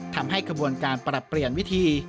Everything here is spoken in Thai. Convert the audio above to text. ทำให้กระบวนการปรับเปลี่ยนวิธี